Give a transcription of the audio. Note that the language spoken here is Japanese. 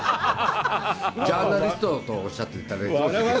ジャーナリストとおっしゃっていただいても結構です。